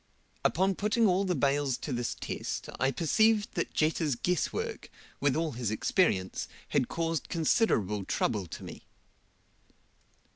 Upon putting all the bales to this test, I perceived that Jetta's guess work, with all his experience, had caused considerable trouble to me.